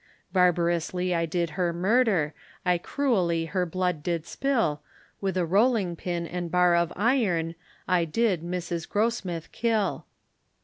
Barbarously I did her murder, I cruelly her blood did spill, With a rolling pin and bar of iron, I did Mrs. Grossmith kill.